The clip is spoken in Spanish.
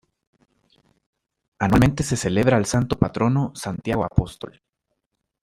Anualmente se celebra al santo patrono Santiago Apóstol.